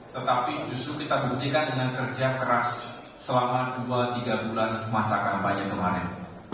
tetapi justru kita buktikan dengan kerja keras selama dua tiga bulan masa kampanye kemarin